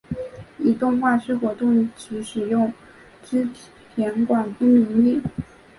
以动画师活动时使用织田广之名义。